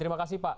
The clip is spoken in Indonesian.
terima kasih pak